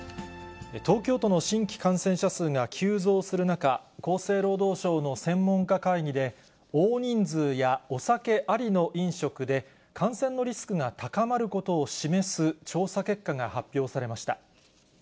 東京都の新規感染者数が急増する中、厚生労働省の専門家会議で、大人数やお酒ありの飲食で、感染のリスクが高まることを示す調査結果が発表されました。